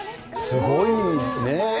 すごいね。